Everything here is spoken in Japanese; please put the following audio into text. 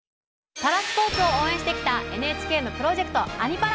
パラスポーツを応援してきたＮＨＫのプロジェクト「アニ×パラ」。